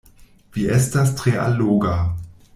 Vi estas tre alloga!